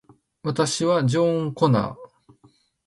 私はジョン・コナー